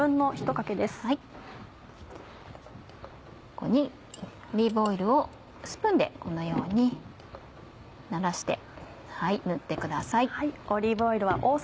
ここにオリーブオイルをスプーンでこのようにならして塗ってください。